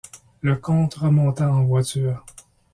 Le comte remonta en voiture.